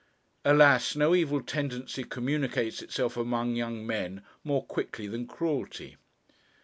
Alas! no evil tendency communicates itself among young men more quickly than cruelty.